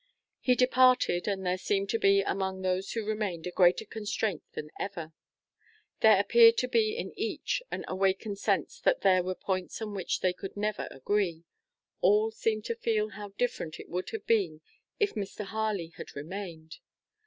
He departed, and there seemed to be among those who remained a greater constraint than ever. There appeared to be in each an awakened sense that there were points on which they could never agree; all seemed to feel how different it would have been if Mr. Harley had remained.